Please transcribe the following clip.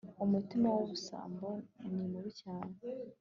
umutima wubusambo ni mubi cyane